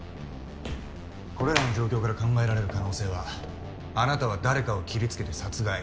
これらの状況から考えられる可能性はあなたは誰かを切りつけて殺害。